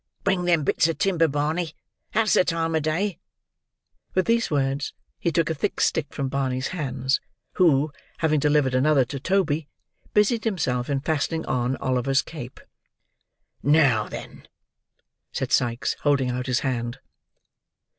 "Bring them bits of timber, Barney. That's the time of day." With these words, he took a thick stick from Barney's hands, who, having delivered another to Toby, busied himself in fastening on Oliver's cape. "Now then!" said Sikes, holding out his hand.